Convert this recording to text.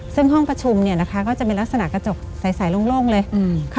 ซึ่งห้องประชุมก็จะเป็นลักษณะกระจกใสโล่งเลย